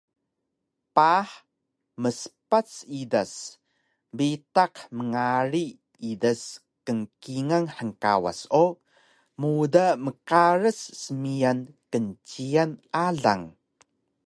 Paah mspac idas bitaq mngari idas kngkingal hngkawas o muda mqaras smiyan knciyan alang